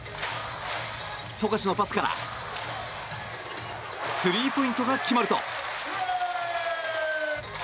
富樫のパスからスリーポイントが決まると。